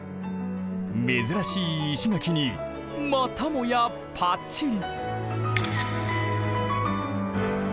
珍しい石垣にまたもやパチリ！